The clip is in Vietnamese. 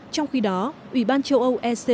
trong khi đó ủy ban châu âu ec